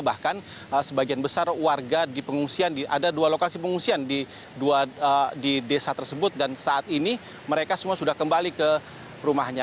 bahkan sebagian besar warga di pengungsian ada dua lokasi pengungsian di desa tersebut dan saat ini mereka semua sudah kembali ke rumahnya